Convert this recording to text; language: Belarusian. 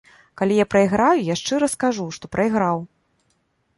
Калі я прайграю, я шчыра скажу, што прайграў.